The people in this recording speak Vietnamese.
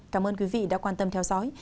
cảm ơn quý vị đã quan tâm theo dõi